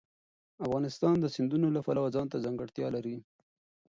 افغانستان د سیندونه د پلوه ځانته ځانګړتیا لري.